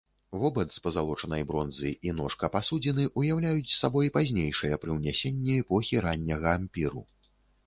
Вобад з пазалочанай бронзы і ножка пасудзіны ўяўляюць сабой пазнейшыя прыўнясенні эпохі ранняга ампіру.